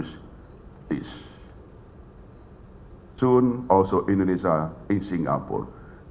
segera juga di indonesia dan singapura